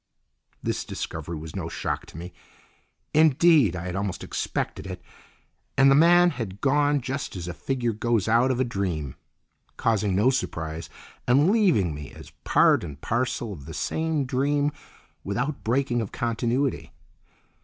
This discovery was no shock to me; indeed, I had almost expected it, and the man had gone just as a figure goes out of a dream, causing no surprise and leaving me as part and parcel of the same dream without breaking of continuity.